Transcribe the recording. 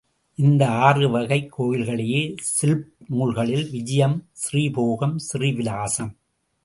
இந்த ஆறு வகைக் கோயில்களையே சில்ப நூல்களில் விஜயம் ஸ்ரீபோகம், ஸ்ரீவிலாசம்.